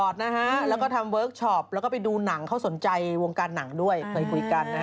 เด็กตัวจริงเต็มเป็นเด็ก